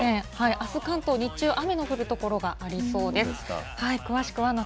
あす、関東、日中、雨の降る所がありそうです。